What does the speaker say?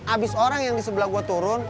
abis orang yang di sebelah gue turun